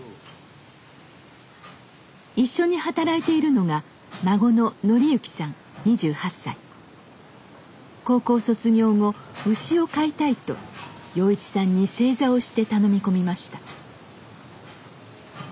一緒に働いているのが高校卒業後牛を飼いたいと洋一さんに正座をして頼み込みました。